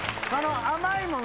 甘いもの